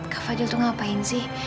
kak fadil tuh ngapain sih